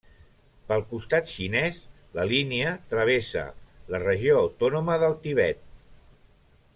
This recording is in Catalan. Pel costat xinès, la línia travessa la Regió Autònoma del Tibet.